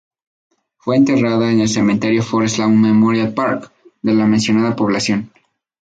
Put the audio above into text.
Fue enterrada en el Cementerio Forest Lawn Memorial Park de la mencionada población.